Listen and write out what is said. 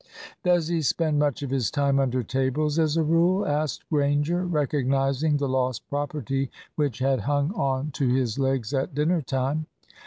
"Does he spend much of his time under tables, as a rule?" asked Ranger, recognising the lost property which had hung on to his legs at dinner time.